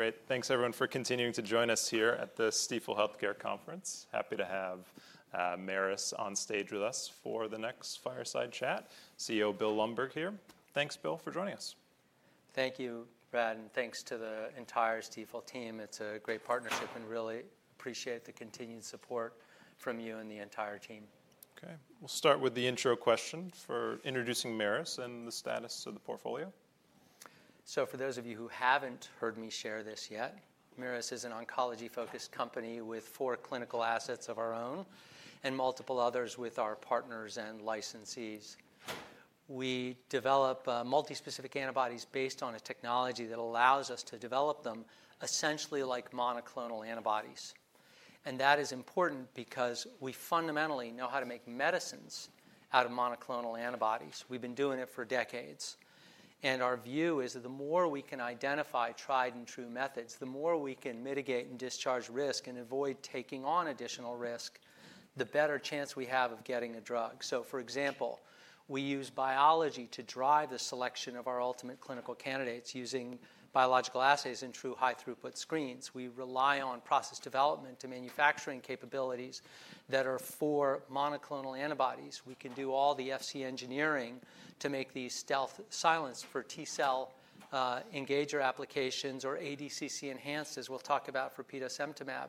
Great. Thanks, everyone, for continuing to join us here at the Stifel Healthcare Conference. Happy to have Merus on stage with us for the next fireside chat. CEO Bill Lundberg here. Thanks, Bill, for joining us. Thank you, Brad, and thanks to the entire Stifel team. It's a great partnership, and I really appreciate the continued support from you and the entire team. Okay. We'll start with the intro question for introducing Merus and the status of the portfolio. So for those of you who haven't heard me share this yet, Merus is an oncology-focused company with four clinical assets of our own and multiple others with our partners and licensees. We develop multi-specific antibodies based on a technology that allows us to develop them essentially like monoclonal antibodies. And that is important because we fundamentally know how to make medicines out of monoclonal antibodies. We've been doing it for decades. And our view is that the more we can identify tried-and-true methods, the more we can mitigate and discharge risk and avoid taking on additional risk, the better chance we have of getting a drug. So, for example, we use biology to drive the selection of our ultimate clinical candidates using biological assays in true high-throughput screens. We rely on process development to manufacturing capabilities that are for monoclonal antibodies. We can do all the Fc engineering to make these stealth silencing for T-cell engager applications or ADCC-enhanced, as we'll talk about for petosemtamab.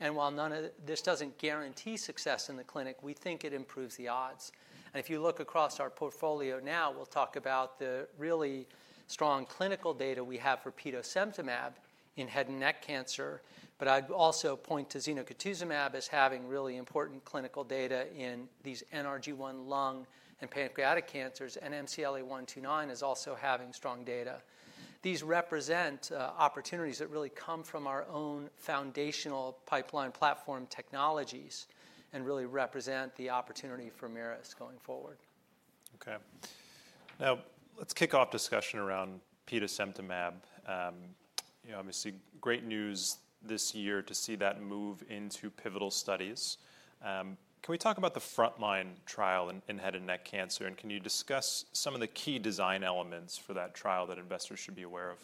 And while none of this doesn't guarantee success in the clinic, we think it improves the odds. And if you look across our portfolio now, we'll talk about the really strong clinical data we have for petosemtamab in head and neck cancer, but I'd also point to zenocutuzumab as having really important clinical data in these NRG1 lung and pancreatic cancers, and MCLA-129 is also having strong data. These represent opportunities that really come from our own foundational pipeline platform technologies and really represent the opportunity for Merus going forward. Okay. Now, let's kick off discussion around petosemtamab. You know, obviously, great news this year to see that move into pivotal studies. Can we talk about the frontline trial in head and neck cancer, and can you discuss some of the key design elements for that trial that investors should be aware of?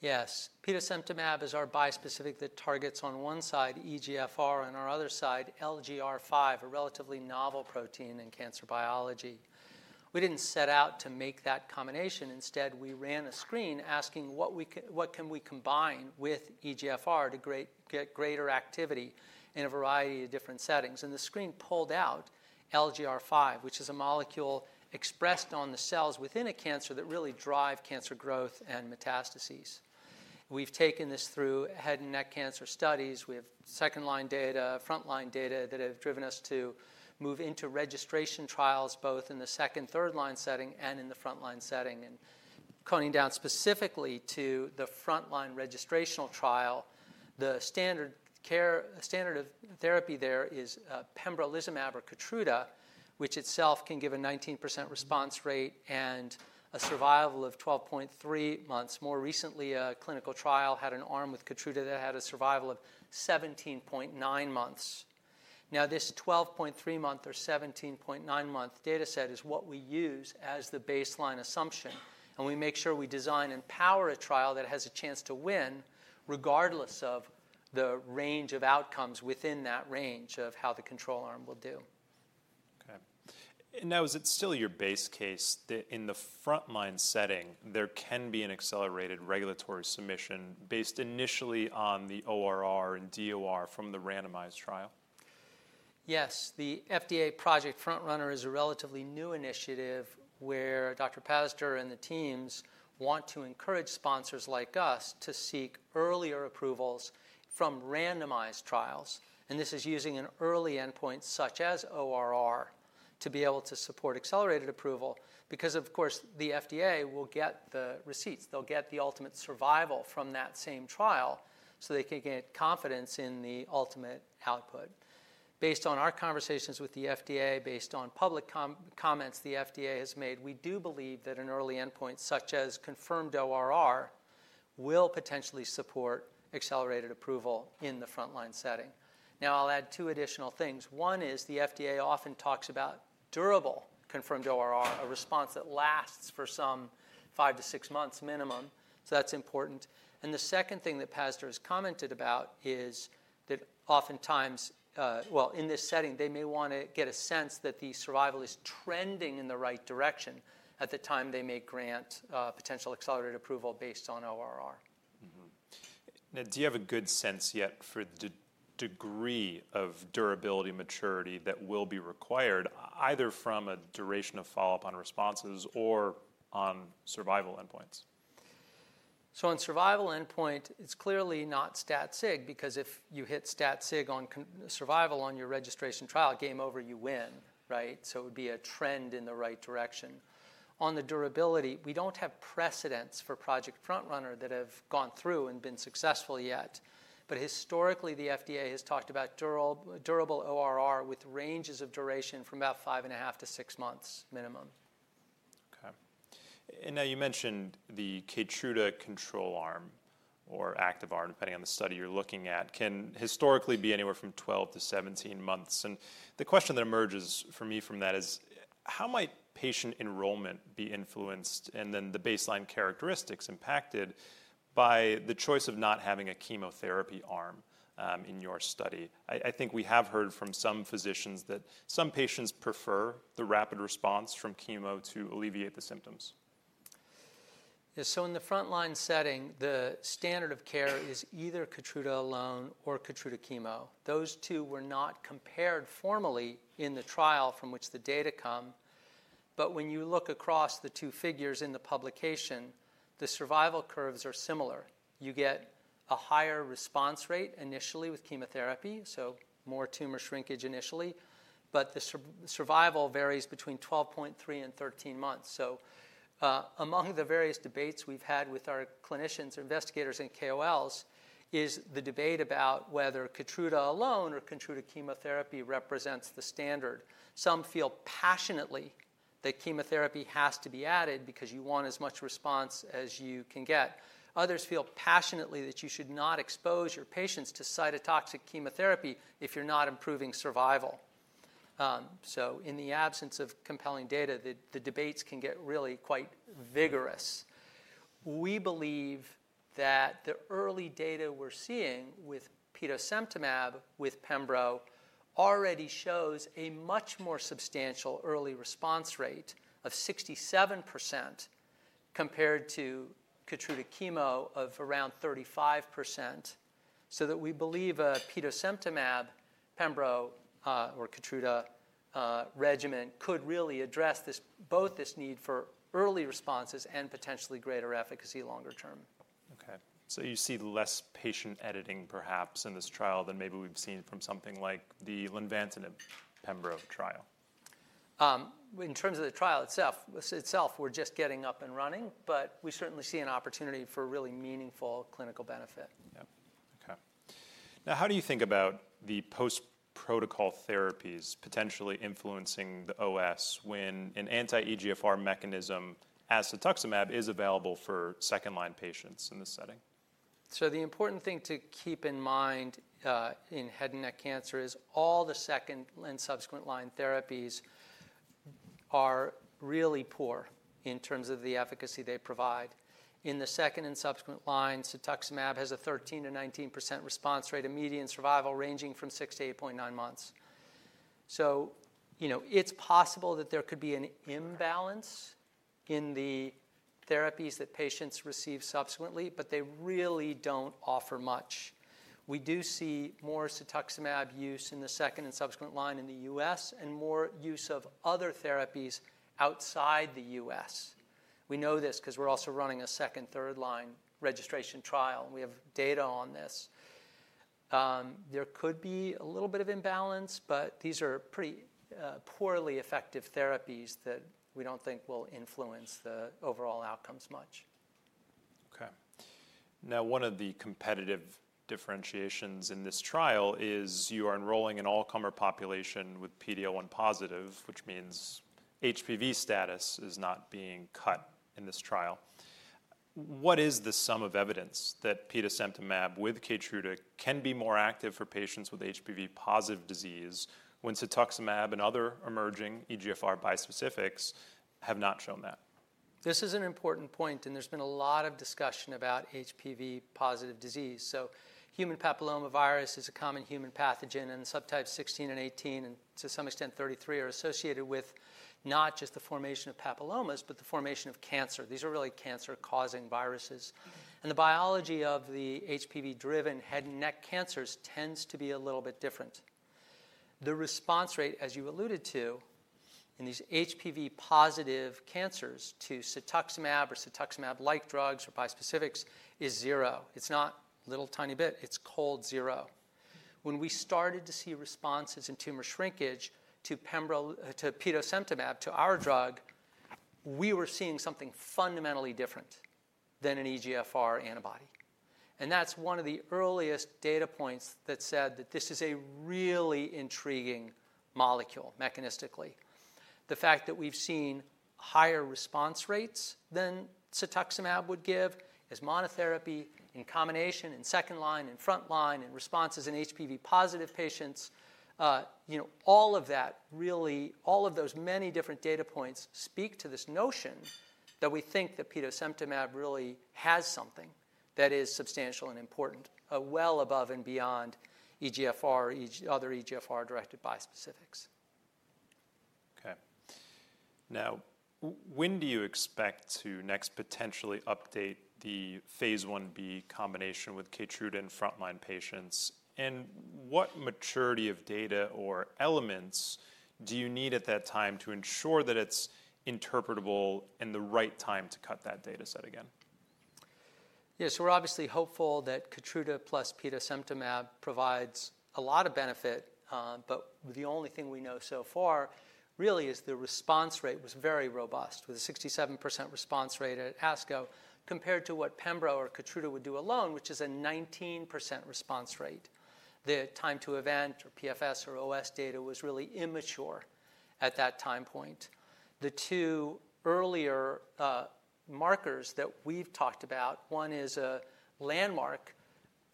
Yes. petosemtamab is our bispecific that targets on one side EGFR and on our other side LGR5, a relatively novel protein in cancer biology. We didn't set out to make that combination. Instead, we ran a screen asking what can we combine with EGFR to get greater activity in a variety of different settings, the screen pulled out LGR5, which is a molecule expressed on the cells within a cancer that really drives cancer growth and metastases. We've taken this through head and neck cancer studies. We have second-line data, front-line data that have driven us to move into registration trials both in the second and third-line setting and in the front-line setting, coming down specifically to the frontline registrational trial, the standard therapy there is pembrolizumab or Keytruda, which itself can give a 19% response rate and a survival of 12.3 months. More recently, a clinical trial had an arm with Keytruda that had a survival of 17.9 months. Now, this 12.3-month or 17.9-month dataset is what we use as the baseline assumption, and we make sure we design and power a trial that has a chance to win regardless of the range of outcomes within that range of how the control arm will do. Okay, and now, is it still your base case that in the frontline setting there can be an accelerated regulatory submission based initially on the ORR and DOR from the randomized trial? Yes. The FDA Project FrontRunner is a relatively new initiative where Dr. Pazdur and the teams want to encourage sponsors like us to seek earlier approvals from randomized trials. And this is using an early endpoint such as ORR to be able to support accelerated approval because, of course, the FDA will get the receipts. They'll get the ultimate survival from that same trial so they can get confidence in the ultimate output. Based on our conversations with the FDA, based on public comments the FDA has made, we do believe that an early endpoint such as confirmed ORR will potentially support accelerated approval in the frontline setting. Now, I'll add two additional things. One is the FDA often talks about durable confirmed ORR, a response that lasts for some five to six months minimum. So that's important. The second thing that Pazdur has commented about is that oftentimes, well, in this setting, they may want to get a sense that the survival is trending in the right direction at the time they may grant potential accelerated approval based on ORR. Now, do you have a good sense yet for the degree of durability maturity that will be required either from a duration of follow-up on responses or on survival endpoints? So on survival endpoint, it's clearly not stat-sig because if you hit stat-sig on survival on your registration trial, game over, you win, right? So it would be a trend in the right direction. On the durability, we don't have precedents for Project FrontRunner that have gone through and been successful yet, but historically, the FDA has talked about durable ORR with ranges of duration from about 5.5 to six months minimum. Okay. And now you mentioned the Keytruda control arm or active arm, depending on the study you're looking at, can historically be anywhere from 12-17 months. And the question that emerges for me from that is, how might patient enrollment be influenced and then the baseline characteristics impacted by the choice of not having a chemotherapy arm in your study? I think we have heard from some physicians that some patients prefer the rapid response from chemo to alleviate the symptoms. Yeah. So in the frontline setting, the standard of care is either Keytruda alone or Keytruda chemo. Those two were not compared formally in the trial from which the data come. But when you look across the two figures in the publication, the survival curves are similar. You get a higher response rate initially with chemotherapy, so more tumor shrinkage initially, but the survival varies between 12.3 and 13 months. So among the various debates we've had with our clinicians, investigators, and KOLs is the debate about whether Keytruda alone or Keytruda chemotherapy represents the standard. Some feel passionately that chemotherapy has to be added because you want as much response as you can get. Others feel passionately that you should not expose your patients to cytotoxic chemotherapy if you're not improving survival. So in the absence of compelling data, the debates can get really quite vigorous. We believe that the early data we're seeing with petosemtamab with pembro already shows a much more substantial early response rate of 67% compared to Keytruda chemo of around 35%. So that we believe a petosemtamab, pembro, or Keytruda regimen could really address both this need for early responses and potentially greater efficacy longer term. Okay, so you see less patient editing perhaps in this trial than maybe we've seen from something like the lenvatinib/pembro trial? In terms of the trial itself, we're just getting up and running, but we certainly see an opportunity for really meaningful clinical benefit. Yeah. Okay. Now, how do you think about the post-protocol therapies potentially influencing the OS when an anti-EGFR mechanism, cetuximab, is available for second-line patients in this setting? So the important thing to keep in mind in head and neck cancer is all the second and subsequent line therapies are really poor in terms of the efficacy they provide. In the second and subsequent line, cetuximab has a 13%-19% response rate and median survival ranging from six to 8.9 months. So, you know, it's possible that there could be an imbalance in the therapies that patients receive subsequently, but they really don't offer much. We do see more cetuximab use in the second and subsequent line in the U.S. and more use of other therapies outside the U.S. We know this because we're also running a second, third-line registration trial. We have data on this. There could be a little bit of imbalance, but these are pretty poorly effective therapies that we don't think will influence the overall outcomes much. Okay. Now, one of the competitive differentiations in this trial is you are enrolling an all-comer population with PD-L1-positive, which means HPV status is not being cut in this trial. What is the sum of evidence that petosemtamab with Keytruda can be more active for patients with HPV-positive disease when cetuximab and other emerging EGFR bispecifics have not shown that? This is an important point, and there's been a lot of discussion about HPV-positive disease, so human papillomavirus is a common human pathogen, and subtypes 16 and 18, and to some extent 33, are associated with not just the formation of papillomas, but the formation of cancer. These are really cancer-causing viruses, and the biology of the HPV-driven head and neck cancers tends to be a little bit different. The response rate, as you alluded to, in these HPV-positive cancers to cetuximab or cetuximab-like drugs or bispecifics is zero. It's not a little tiny bit. It's cold zero. When we started to see responses in tumor shrinkage to petosemtamab, to our drug, we were seeing something fundamentally different than an EGFR antibody, and that's one of the earliest data points that said that this is a really intriguing molecule mechanistically. The fact that we've seen higher response rates than cetuximab would give as monotherapy in combination, in second line, in front line, in responses in HPV-positive patients, you know, all of that really, all of those many different data points speak to this notion that we think that petosemtamab really has something that is substantial and important, well above and beyond EGFR or other EGFR-directed bispecifics. Okay. Now, when do you expect to next potentially update the phase 1B combination with Keytruda in frontline patients? And what maturity of data or elements do you need at that time to ensure that it's interpretable and the right time to cut that dataset again? Yeah. So we're obviously hopeful that Keytruda plus petosemtamab provides a lot of benefit, but the only thing we know so far really is the response rate was very robust with a 67% response rate at ASCO compared to what pembro or Keytruda would do alone, which is a 19% response rate. The time to event or PFS or OS data was really immature at that time point. The two earlier markers that we've talked about, one is a landmark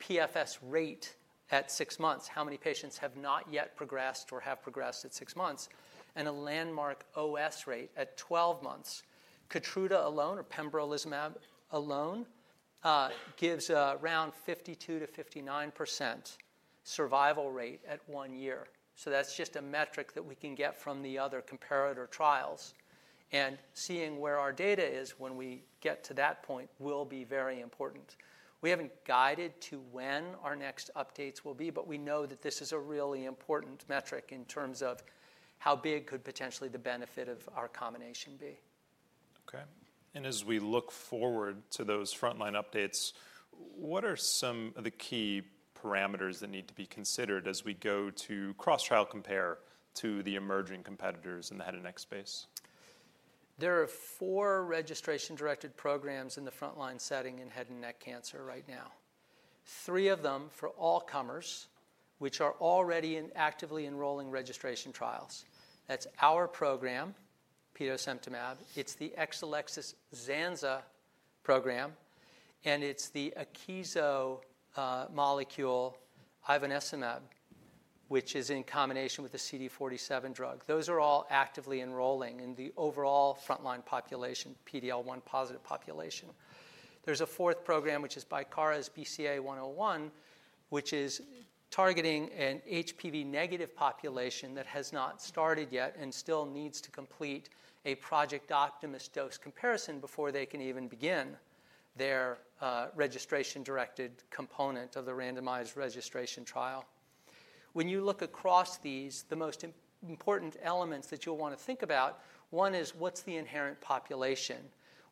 PFS rate at six months, how many patients have not yet progressed or have progressed at six months, and a landmark OS rate at 12 months. Keytruda alone or pembrolizumab alone gives around 52%-59% survival rate at one year. So that's just a metric that we can get from the other comparator trials. Seeing where our data is when we get to that point will be very important. We haven't guided to when our next updates will be, but we know that this is a really important metric in terms of how big could potentially the benefit of our combination be. Okay, and as we look forward to those frontline updates, what are some of the key parameters that need to be considered as we go to cross-trial compare to the emerging competitors in the head and neck space? There are four registration-directed programs in the frontline setting in head and neck cancer right now. Three of them for all-comers, which are already actively enrolling registration trials. That's our program, petosemtamab. It's the Exelixis zanza program, and it's the Akeso molecule ivonescimab, which is in combination with the CD47 drug. Those are all actively enrolling in the overall frontline population, PD-L1 positive population. There's a fourth program, which is Bicara's BCA101, which is targeting an HPV-negative population that has not started yet and still needs to complete a Project Optimus dose comparison before they can even begin their registration-directed component of the randomized registration trial. When you look across these, the most important elements that you'll want to think about, one is what's the inherent population?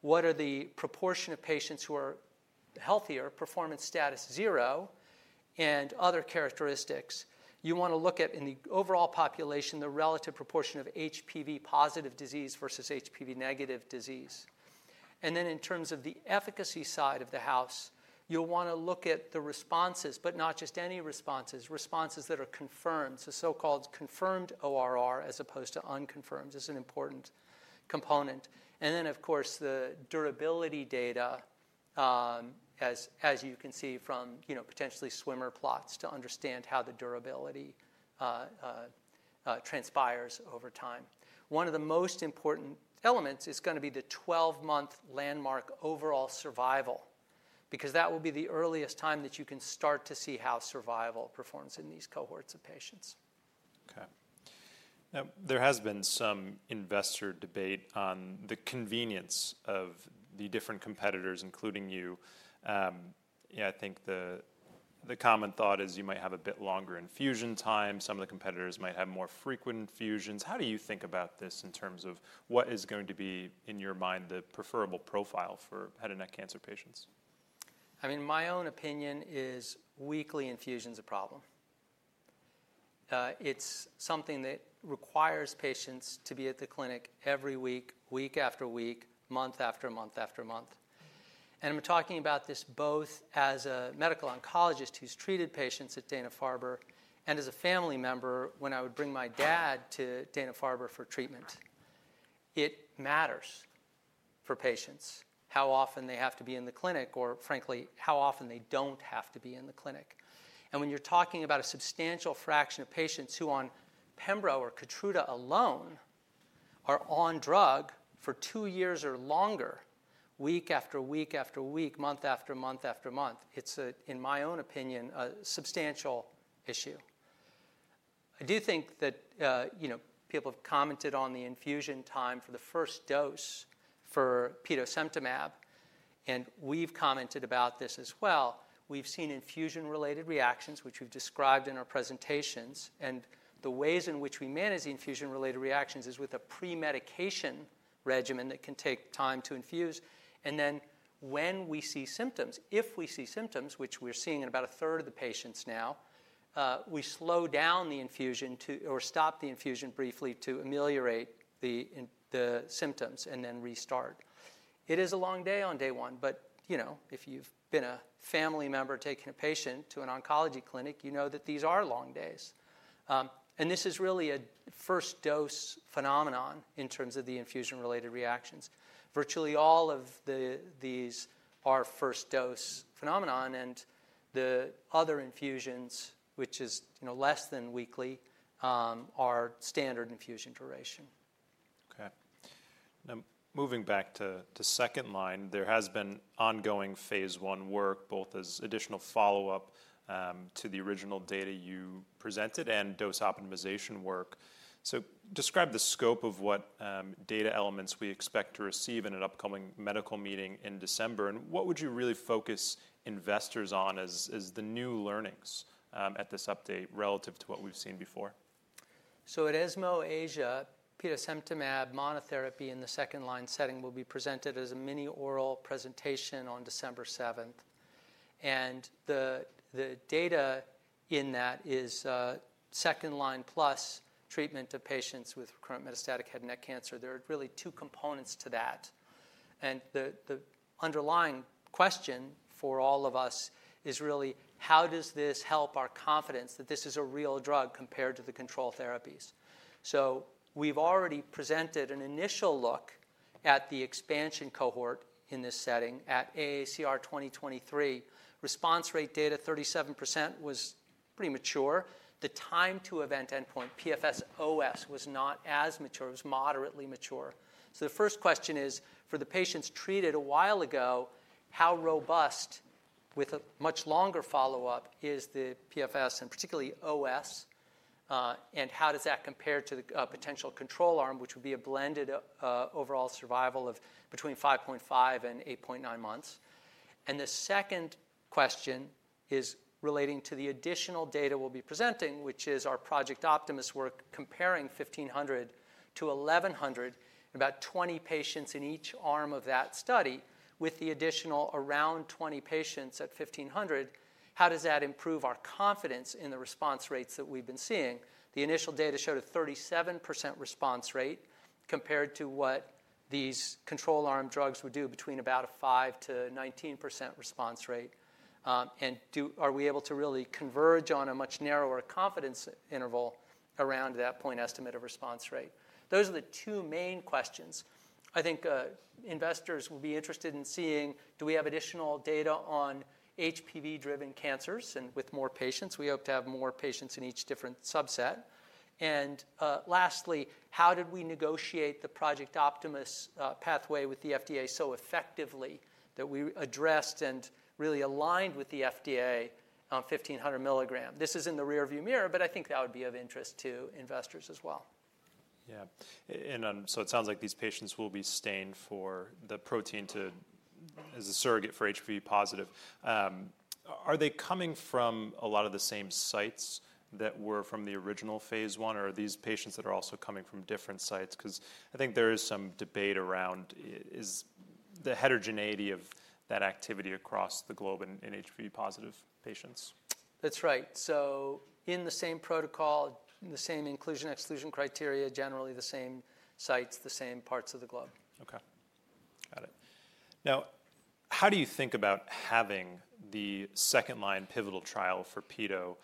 What are the proportion of patients who are healthier, performance status zero, and other characteristics? You want to look at in the overall population, the relative proportion of HPV-positive disease versus HPV-negative disease. And then in terms of the efficacy side of the house, you'll want to look at the responses, but not just any responses, responses that are confirmed. So so-called confirmed ORR as opposed to unconfirmed is an important component. And then, of course, the durability data, as you can see from, you know, potentially swimmer plots to understand how the durability transpires over time. One of the most important elements is going to be the 12-month landmark overall survival because that will be the earliest time that you can start to see how survival performs in these cohorts of patients. Okay. Now, there has been some investor debate on the convenience of the different competitors, including you. Yeah, I think the common thought is you might have a bit longer infusion time. Some of the competitors might have more frequent infusions. How do you think about this in terms of what is going to be, in your mind, the preferable profile for head and neck cancer patients? I mean, my own opinion is weekly infusion is a problem. It's something that requires patients to be at the clinic every week, week after week, month after month after month. And I'm talking about this both as a medical oncologist who's treated patients at Dana-Farber and as a family member when I would bring my dad to Dana-Farber for treatment. It matters for patients how often they have to be in the clinic or, frankly, how often they don't have to be in the clinic. And when you're talking about a substantial fraction of patients who on pembro or Keytruda alone are on drug for two years or longer, week after week after week, month after month after month, it's, in my own opinion, a substantial issue. I do think that, you know, people have commented on the infusion time for the first dose for petosemtamab, and we've commented about this as well. We've seen infusion-related reactions, which we've described in our presentations, and the ways in which we manage the infusion-related reactions is with a pre-medication regimen that can take time to infuse. Then when we see symptoms, if we see symptoms, which we're seeing in about a third of the patients now, we slow down the infusion to or stop the infusion briefly to ameliorate the symptoms and then restart. It is a long day on day one, but, you know, if you've been a family member taking a patient to an oncology clinic, you know that these are long days. This is really a first-dose phenomenon in terms of the infusion-related reactions. Virtually all of these are first-dose phenomenon, and the other infusions, which is, you know, less than weekly, are standard infusion duration. Okay. Now, moving back to second line, there has been ongoing phase I work, both as additional follow-up to the original data you presented and dose optimization work. Describe the scope of what data elements we expect to receive in an upcoming medical meeting in December, and what would you really focus investors on as the new learnings at this update relative to what we've seen before? At ESMO Asia, petosemtamab monotherapy in the second-line setting will be presented as a mini-oral presentation on December 7th. And the data in that is second-line plus treatment of patients with recurrent metastatic head and neck cancer. There are really two components to that. And the underlying question for all of us is really, how does this help our confidence that this is a real drug compared to the control therapies? So we've already presented an initial look at the expansion cohort in this setting at AACR 2023. Response rate data 37% was pretty mature. The time to event endpoint, PFS OS, was not as mature. It was moderately mature. The first question is, for the patients treated a while ago, how robust with a much longer follow-up is the PFS and particularly OS, and how does that compare to the potential control arm, which would be a blended overall survival of between 5.5 and 8.9 months? The second question is relating to the additional data we'll be presenting, which is our Project Optimus work comparing 1,500-1,100, about 20 patients in each arm of that study with the additional around 20 patients at 1,500. How does that improve our confidence in the response rates that we've been seeing? The initial data showed a 37% response rate compared to what these control arm drugs would do between about a 5%-19% response rate. Are we able to really converge on a much narrower confidence interval around that point estimate of response rate? Those are the two main questions. I think investors will be interested in seeing, do we have additional data on HPV-driven cancers and with more patients? We hope to have more patients in each different subset. And lastly, how did we negotiate the Project Optimus pathway with the FDA so effectively that we addressed and really aligned with the FDA on 1,500 mg? This is in the rearview mirror, but I think that would be of interest to investors as well. Yeah, and so it sounds like these patients will be stained for the protein p16 as a surrogate for HPV-positive. Are they coming from a lot of the same sites that were from the original phase I, or are these patients that are also coming from different sites? Because I think there is some debate around the heterogeneity of that activity across the globe in HPV-positive patients. That's right, so in the same protocol, the same inclusion-exclusion criteria, generally the same sites, the same parts of the globe. Okay. Got it. Now, how do you think about having the second-line pivotal trial for petosemtamab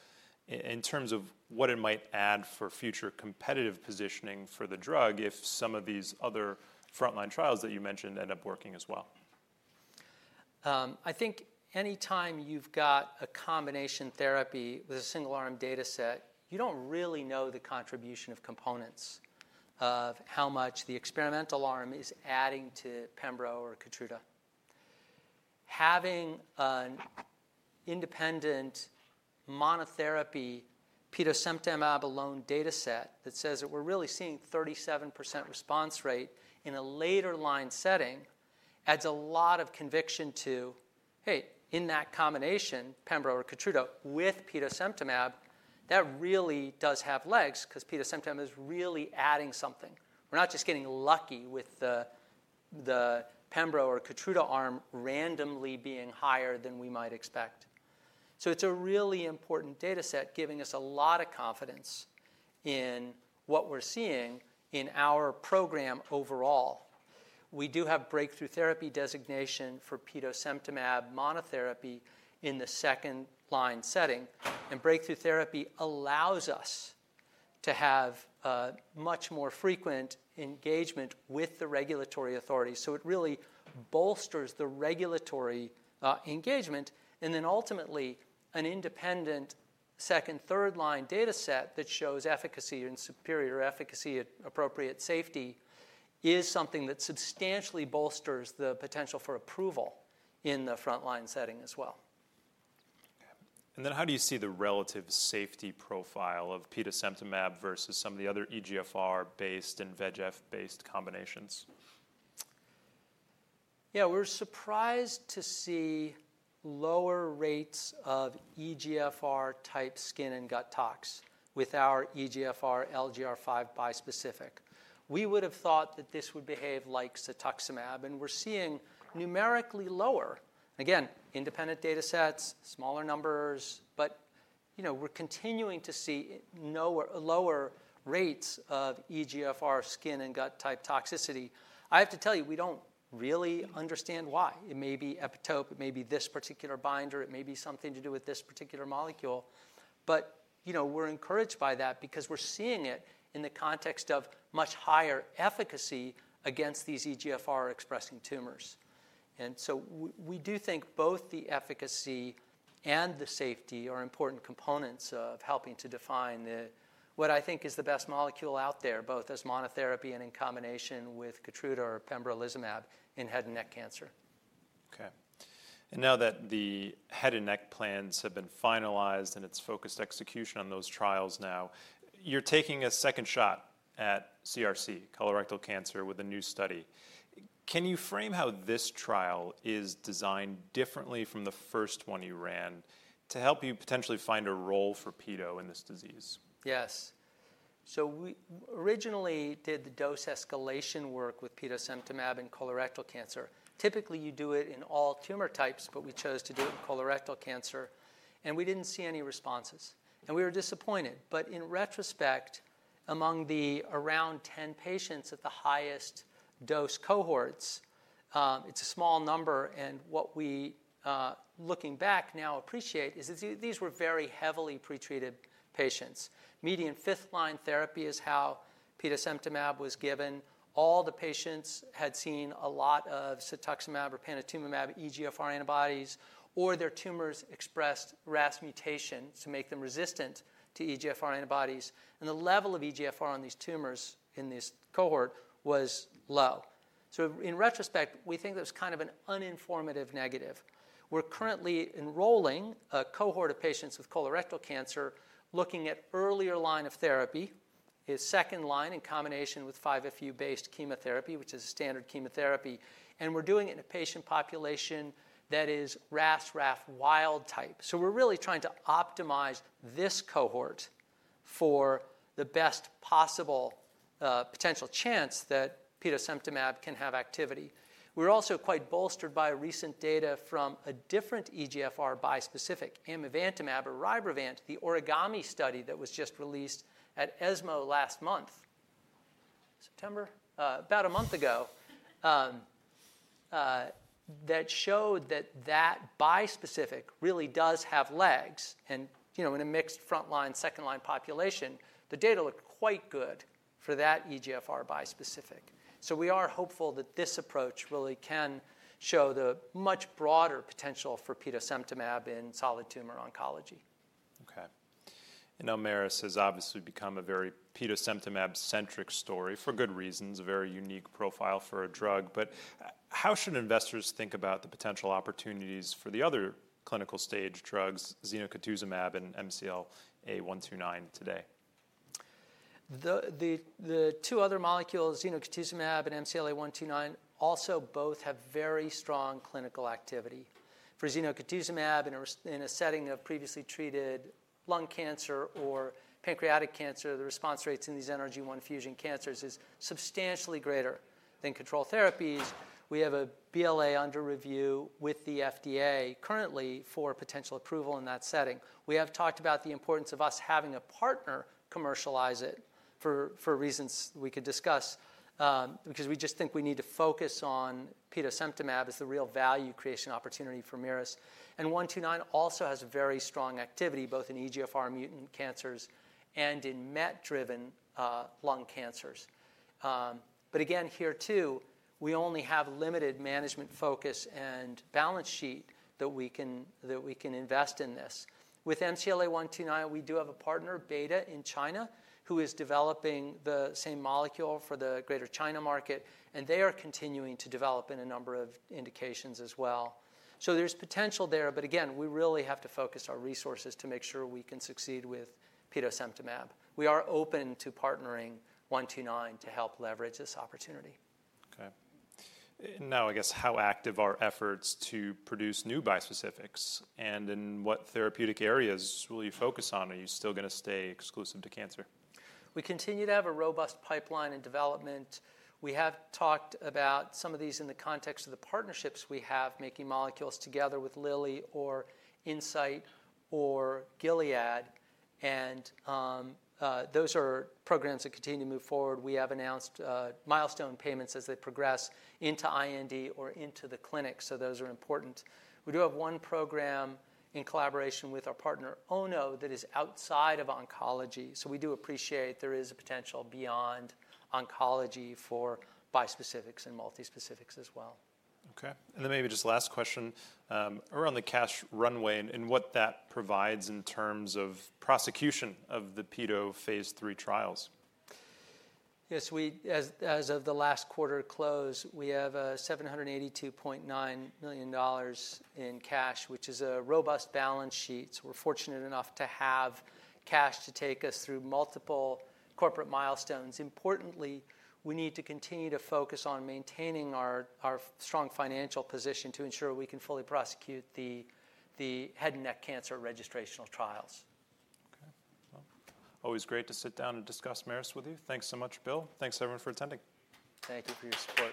in terms of what it might add for future competitive positioning for the drug if some of these other frontline trials that you mentioned end up working as well? I think anytime you've got a combination therapy with a single-arm dataset, you don't really know the contribution of components of how much the experimental arm is adding to pembro or Keytruda. Having an independent monotherapy petosemtamab alone dataset that says that we're really seeing 37% response rate in a later-line setting adds a lot of conviction to, hey, in that combination, pembro or Keytruda with petosemtamab, that really does have legs because petosemtamab is really adding something. We're not just getting lucky with the pembro or Keytruda arm randomly being higher than we might expect, so it's a really important dataset giving us a lot of confidence in what we're seeing in our program overall. We do have breakthrough therapy designation for petosemtamab monotherapy in the second-line setting, and breakthrough therapy allows us to have much more frequent engagement with the regulatory authorities. So it really bolsters the regulatory engagement. And then ultimately, an independent second, third-line dataset that shows efficacy and superior efficacy at appropriate safety is something that substantially bolsters the potential for approval in the frontline setting as well. Okay. And then how do you see the relative safety profile of petosemtamab versus some of the other EGFR-based and VEGF-based combinations? Yeah, we're surprised to see lower rates of EGFR-type skin and gut tox with our EGFR LGR5 bispecific. We would have thought that this would behave like cetuximab, and we're seeing numerically lower. Again, independent datasets, smaller numbers, but, you know, we're continuing to see lower rates of EGFR skin and gut-type toxicity. I have to tell you, we don't really understand why. It may be epitope. It may be this particular binder. It may be something to do with this particular molecule. But, you know, we're encouraged by that because we're seeing it in the context of much higher efficacy against these EGFR-expressing tumors. And so we do think both the efficacy and the safety are important components of helping to define what I think is the best molecule out there, both as monotherapy and in combination with Keytruda or pembrolizumab in head and neck cancer. Okay. And now that the head and neck plans have been finalized and it's focused execution on those trials now, you're taking a second shot at CRC, colorectal cancer, with a new study. Can you frame how this trial is designed differently from the first one you ran to help you potentially find a role for peto in this disease? Yes, so we originally did the dose escalation work with petosemtamab in colorectal cancer. Typically, you do it in all tumor types, but we chose to do it in colorectal cancer, and we didn't see any responses, and we were disappointed, but in retrospect, among the around 10 patients at the highest dose cohorts, it's a small number, and what we, looking back now, appreciate is these were very heavily pretreated patients. Median fifth-line therapy is how petosemtamab was given. All the patients had seen a lot of cetuximab or panitumumab, EGFR antibodies, or their tumors expressed RAS mutations to make them resistant to EGFR antibodies, and the level of EGFR on these tumors in this cohort was low, so in retrospect, we think that was kind of an uninformative negative. We're currently enrolling a cohort of patients with colorectal cancer looking at earlier line of therapy, a second line in combination with 5-FU-based chemotherapy, which is a standard chemotherapy, and we're doing it in a patient population that is RAS/RAF wild type, so we're really trying to optimize this cohort for the best possible potential chance that petosemtamab can have activity. We're also quite bolstered by recent data from a different EGFR bispecific, amivantamab or Rybrevant, the OrigAMI study that was just released at ESMO last month, September, about a month ago, that showed that that bispecific really does have legs, and, you know, in a mixed frontline, second-line population, the data looked quite good for that EGFR bispecific, so we are hopeful that this approach really can show the much broader potential for petosemtamab in solid tumor oncology. Okay. And now Merus has obviously become a very petosemtamab-centric story for good reasons, a very unique profile for a drug. But how should investors think about the potential opportunities for the other clinical stage drugs, zenocutuzumab and MCLA-129, today? The two other molecules, zenocutuzumab and MCLA-129, also both have very strong clinical activity. For zenocutuzumab in a setting of previously treated lung cancer or pancreatic cancer, the response rates in these NRG1 fusion cancers are substantially greater than control therapies. We have a BLA under review with the FDA currently for potential approval in that setting. We have talked about the importance of us having a partner commercialize it for reasons we could discuss, because we just think we need to focus on petosemtamab as the real value creation opportunity for Merus. And 129 also has very strong activity both in EGFR-mutant cancers and in MET-driven lung cancers. But again, here too, we only have limited management focus and balance sheet that we can invest in this. With MCLA-129, we do have a partner, Betta, in China who is developing the same molecule for the greater China market, and they are continuing to develop in a number of indications as well. So there's potential there. But again, we really have to focus our resources to make sure we can succeed with petosemtamab. We are open to partnering '129 to help leverage this opportunity. Okay. Now, I guess, how active are efforts to produce new bispecifics? And in what therapeutic areas will you focus on? Are you still going to stay exclusive to cancer? We continue to have a robust pipeline in development. We have talked about some of these in the context of the partnerships we have, making molecules together with Lilly or Incyte or Gilead, and those are programs that continue to move forward. We have announced milestone payments as they progress into IND or into the clinic, those are important. We do have one program in collaboration with our partner, Ono, that is outside of oncology, we do appreciate there is a potential beyond oncology for bispecifics and multispecifics as well. Okay. And then maybe just last question around the cash runway and what that provides in terms of prosecution of the peto phase III trials. Yes. As of the last quarter close, we have $782.9 million in cash, which is a robust balance sheet. So we're fortunate enough to have cash to take us through multiple corporate milestones. Importantly, we need to continue to focus on maintaining our strong financial position to ensure we can fully prosecute the head and neck cancer registrational trials. Okay. Always great to sit down and discuss, Merus, with you. Thanks so much, Bill. Thanks, everyone, for attending. Thank you for your support.